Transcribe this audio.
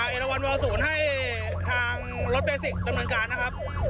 เอลวัลวาวศูนย์ให้ทางรถเบสิกดำเนินการนะครับ